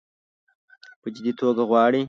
په جدي توګه غواړي.